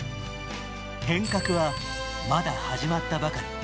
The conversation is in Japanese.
変革は、まだ始まったばかり。